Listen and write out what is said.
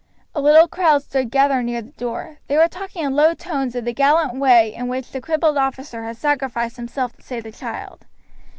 A little crowd stood gathered near the door. They were talking in low tones of the gallant way in which the crippled officer had sacrificed himself to save the child.